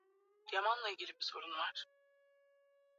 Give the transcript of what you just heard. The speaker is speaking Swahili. Kuja kwetu, leo ni leo